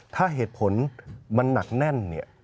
ถ้าเหตุผลมันหนักแน่น